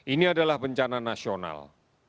ini adalah bencana nasional